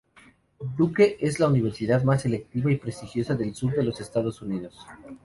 Duke es la universidad más selectiva y prestigiosa del sur de los Estados Unidos.